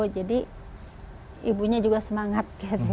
jadi ibunya juga semangat